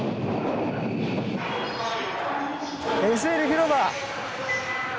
ＳＬ広場！